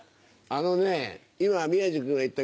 あのね。